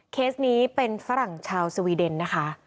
เคสนี้เป็นฝรั่งชาวสวีเดนนะคะ